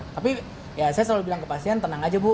tapi ya saya selalu bilang ke pasien tenang aja bu